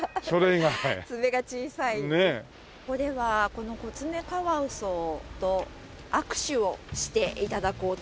ここではこのコツメカワウソと握手をして頂こうと。